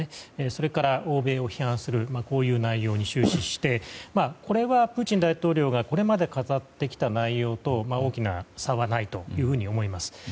それから、欧米を批判する内容に終始してこれはプーチン大統領がこれまで語ってきた内容と大きな差はないと思います。